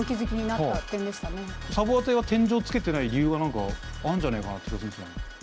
サヴォア邸は天井つけてない理由が何かあんじゃねえかなって気がするんすよね。